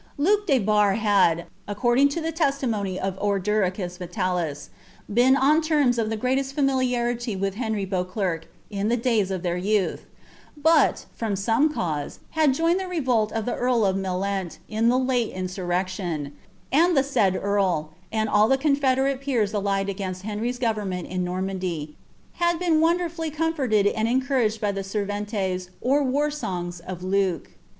Luke de Barre had, acconl ing to the testimony of Ordericua Vitalis. been on terms of tlie grralcA litmiltariiy with Henry Beauclerc in the days of ilieir youth, but, (too some cause, hail joined the revolt of the earl of Mellenl in the bte ia *urreciion; and ijie said earl, and all the confederate peers allied ag^mt Henry's government in Normandy, had been wonderfully cotnfortttl asd encouraged by the sirotniei, or war congs, of Luke.